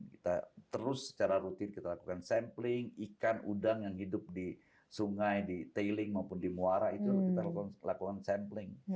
kita terus secara rutin kita lakukan sampling ikan udang yang hidup di sungai di tailing maupun di muara itu kita lakukan sampling